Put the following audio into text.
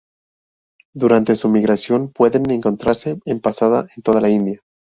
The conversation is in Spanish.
Durante su migración pueden encontrase en pasada en toda la India.